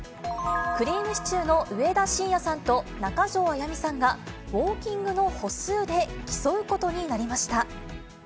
くりぃむしちゅーの上田晋也さんと中条あやみさんがウオーキングの歩数で競うことになりました。